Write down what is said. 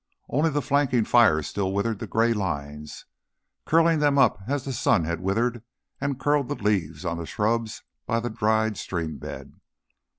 Only the flanking fire still withered the gray lines, curling them up as the sun had withered and curled the leaves on the shrubs by the dried stream bed.